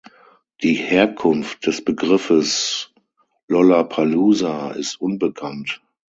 Die Herkunft des Begriffes "Lollapalooza" ist unbekannt.